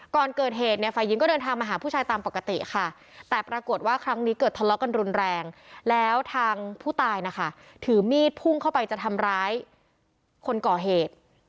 ก่อนเกิดเหตุเนี่ยฝ่ายหญิงก็เดินทางมาหาผู้ชายตามปกติค่ะแต่ปรากฏว่าครั้งนี้เกิดทะเลาะกันรุนแรงแล้วทางผู้ตายนะคะถือมีดพุ่งเข้าไปจะทำร้ายคนก่อเหตุ